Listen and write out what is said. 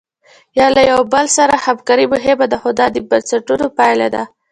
یا له یو بل سره همکاري مهمه ده خو دا د بنسټونو پایله ده.